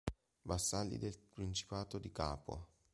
Vassalli del principato di Capua.